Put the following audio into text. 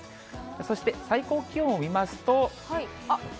そして、最高気温を見ますと。